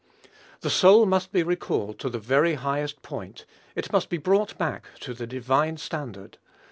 The soul must be recalled to the very highest point; it must be brought back to the divine standard.